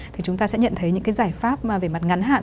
thì chúng ta sẽ nhận thấy những cái giải pháp về mặt ngắn hạn